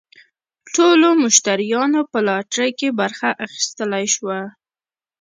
ټولو مشتریانو په لاټرۍ کې برخه اخیستلی شوه.